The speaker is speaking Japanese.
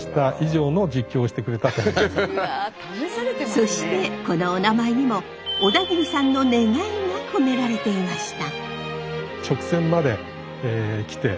そしてこのおなまえにも小田切さんの願いが込められていました。